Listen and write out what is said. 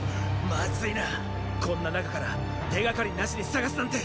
まずいなこんな中から手がかりなしに探すなんて。